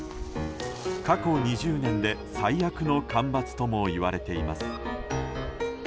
過去２０年で最悪の干ばつともいわれています。